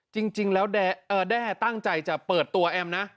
จริงแล้วแด้ตั้งใจจะเปิดตัวแอมนะ